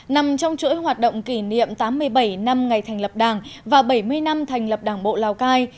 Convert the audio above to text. nằm trong chuỗi hoạt động kỷ niệm tám mươi bảy năm ngày thành lập đảng và bảy mươi năm thành lập đảng bộ lào cai